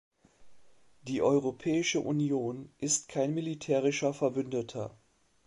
Die Europäische Union ist kein militärischer Verbündeter.